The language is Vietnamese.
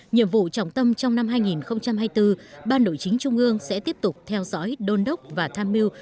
nhiệm vụ trọng tâm trong năm hai nghìn hai mươi bốn ban nội chính trung ương sẽ tiếp tục theo dõi đôn đốc và tham mưu